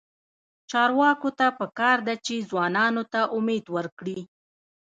چارواکو ته پکار ده چې، ځوانانو ته امید ورکړي.